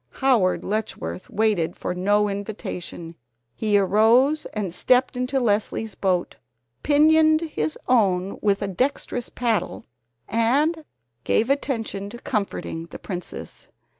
Howard Letchworth waited for no invitation. He arose and stepped into Leslie's boat, pinioned his own with a dextrous paddle, and gave attention to comforting the princess.